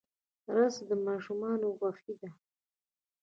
رس د ماشومانو خوښي ده